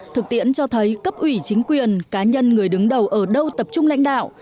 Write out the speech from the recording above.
thực tiễn cho thấy cấp ủy chính quyền cá nhân người đứng đầu ở đâu tập trung lãnh đạo